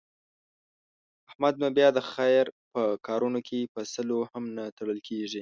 احمد نو بیا د خیر په کارونو کې په سلو هم نه تړل کېږي.